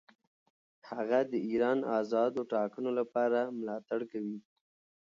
هغه د ایران آزادو ټاکنو لپاره ملاتړ کوي.